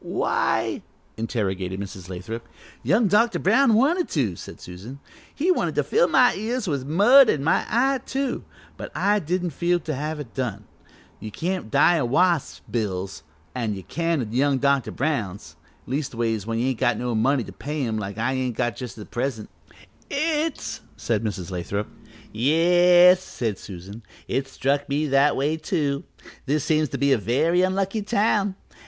"Why " interrogated Mrs. Lathrop. "Young Dr. Brown wanted to," said Susan, "he wanted to fill my ears with mud, an' my eye, too, but I didn't feel to have it done. You can't die o' wasps' bills, an' you can o' young Dr. Brown's leastways when you ain't got no money to pay 'em, like I ain't got just at present." "It's " said Mrs. Lathrop. "Yes," said Susan, "it struck me that way, too. This seems to be a very unlucky town.